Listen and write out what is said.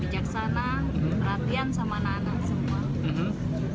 bijaksana perhatian sama anak anak semua